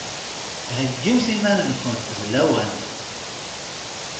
Heggimt iman-nkunt d lawan!